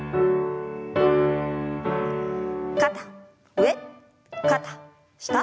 肩上肩下。